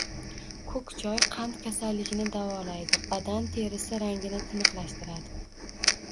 Ko‘k choy qand kasalligini davolaydi; – badan terisi rangini tiniqlashtiradi.